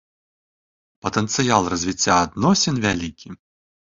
Патэнцыял развіцця адносін вялікі.